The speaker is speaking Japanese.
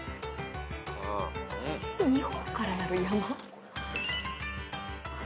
二峰からなる山？